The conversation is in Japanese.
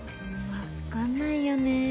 分かんないよね。